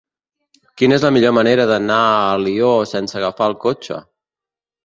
Quina és la millor manera d'anar a Alió sense agafar el cotxe?